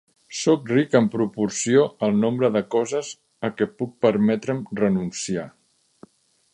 Soc ric en proporció al nombre de coses a què puc permetre'm renunciar.